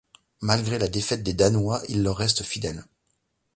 Malgré la défaite des Danois, il leur reste fidèle.